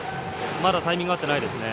まだタイミングあっていないですね。